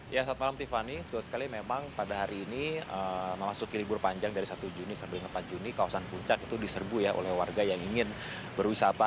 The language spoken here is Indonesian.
ya saat malam tiffany betul sekali memang pada hari ini memasuki libur panjang dari satu juni sampai delapan juni kawasan puncak itu diserbu ya oleh warga yang ingin berwisata